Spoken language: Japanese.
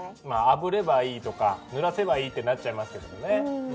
まああぶればいいとかぬらせばいいってなっちゃいますけどね。